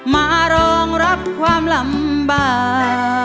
มารองรับความลำบาก